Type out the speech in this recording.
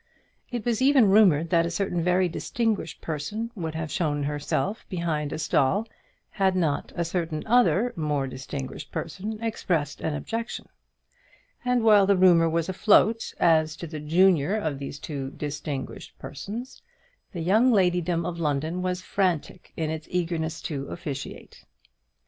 It was even rumoured that a certain very distinguished person would have shown herself behind a stall, had not a certain other more distinguished person expressed an objection; and while the rumour was afloat as to the junior of those two distinguished persons, the young ladydom of London was frantic in its eagerness to officiate.